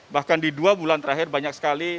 bahkan di dua bulan terakhir banyak sekali